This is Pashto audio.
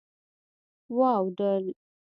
واوډل